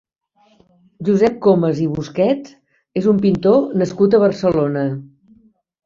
Josep Comes i Busquets és un pintor nascut a Barcelona.